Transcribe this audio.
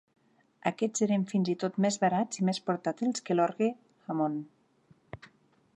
Aquests eren fins i tot més barats i més portàtils que l'orgue Hammond.